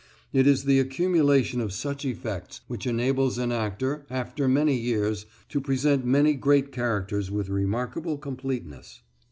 It is the accumulation of such effects which enables an actor, after many years, to present many great characters with remarkable completeness.